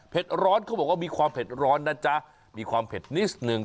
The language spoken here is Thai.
ร้อนเขาบอกว่ามีความเผ็ดร้อนนะจ๊ะมีความเผ็ดนิดนึง